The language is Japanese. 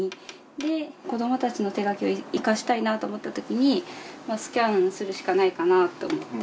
で子どもたちの手書きをいかしたいなと思ったときにスキャンするしかないかなと思って。